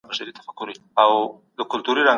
آیا ستاسو په نظر هلمند یو تاریخي ولایت دی؟